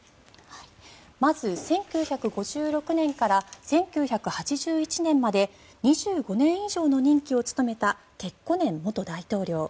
まず１９５６年から１９８１年まで２５年以上の任期を務めたケッコネン元大統領。